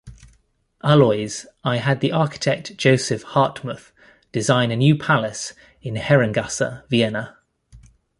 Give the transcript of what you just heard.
Aloys I had the architect Joseph Hardtmuth design a new palace in Herrengasse, Vienna.